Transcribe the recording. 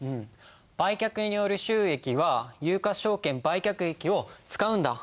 売却による収益は有価証券売却益を使うんだ。